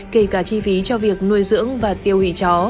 kể cả chi phí cho việc nuôi dưỡng và tiêu hủy chó